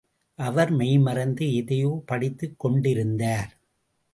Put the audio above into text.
அவர் மெய்மறந்து எதையோ படித்துக் கொண்டிருந்தார்.